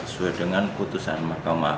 sesuai dengan putusan mahkamah